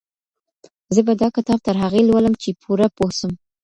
زه به دا کتاب تر هغې لولم چي پوره پوه سم.